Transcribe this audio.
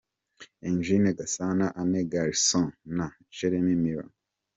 Eugene Gasana, Anne Garrison na Jeremy Miller